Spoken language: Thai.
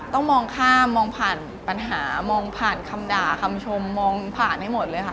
ต้องมองข้ามมองผ่านปัญหามองผ่านคำด่าคำชมมองผ่านให้หมดเลยค่ะ